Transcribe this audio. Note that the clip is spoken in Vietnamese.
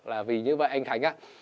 là vì như vậy anh khánh ạ